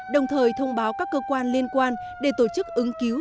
đồng thời thông báo các cơ quan liên quan để tổ chức ứng cứu